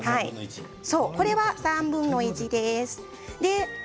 これが３分の１です。